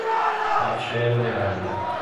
Marcelo Miranda